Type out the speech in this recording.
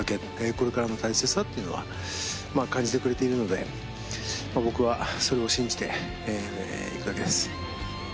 これからの大切さっていうのは感じてくれているので、僕はそれを信じていくだけです。